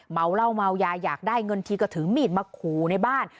เมาเหล้าเมายาอยากได้เงินทีก็ถือมีดมาขู่ในบ้าน